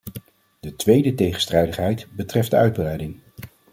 De tweede tegenstrijdigheid betreft de uitbreiding.